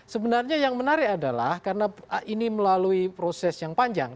sebenarnya yang menarik adalah karena ini melalui proses yang panjang